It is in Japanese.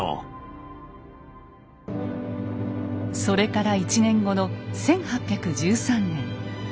それから１年後の１８１３年。